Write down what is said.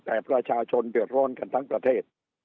แต่ประชาชนเดือดร้อนกันทั้งประเทศ